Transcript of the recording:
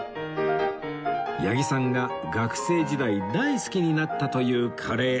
八木さんが学生時代大好きになったというカレー